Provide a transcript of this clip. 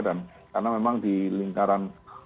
dan karena memang di lingkaran